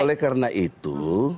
oleh karena itu